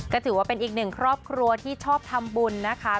ก็ถือว่าเป็นอีกหนึ่งครอบครัวที่ชอบทำบุญนะคะ